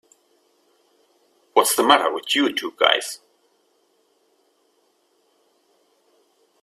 What's the matter with you two guys?